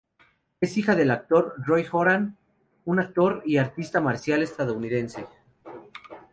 Es hija del actor Roy Horan, un actor y artista marcial estadounidense.